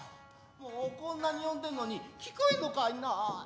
もうこんなに呼んでんのに聞こえんのかいなァ。